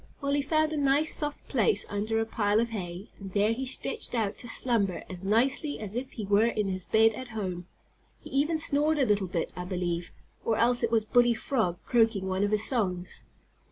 Well, he found a nice, soft place under a pile of hay, and there he stretched out to slumber as nicely as if he were in his bed at home. He even snored a little bit, I believe, or else it was Bully Frog croaking one of his songs.